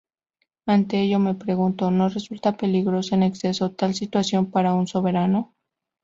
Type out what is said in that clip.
Ante ello me pregunto: ¿no resulta peligrosa en exceso tal situación para un soberano?